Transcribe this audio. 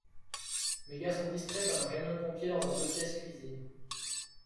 Mes gars sont discrets comme un camion de pompiers dans un deux-pièces cuisine.